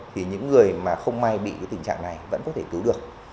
thì những người mà không may bị tình trạng này vẫn có thể cứu được